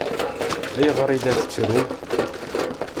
Ayɣer i la tettrum?